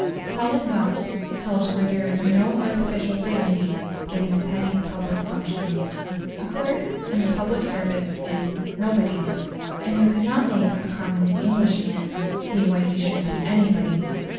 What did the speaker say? Solid wealth tells where there is no artificial dignity given to petty public functions. A clerk in the public service is "nobody"; and you could not make a common Englishman see why he should be anybody.